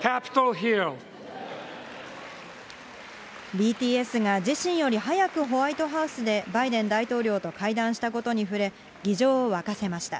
ＢＴＳが自身より早くホワイトハウスでバイデン大統領と会談したことに触れ、議場を沸かせました。